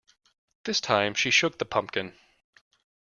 This time she shook the pumpkin.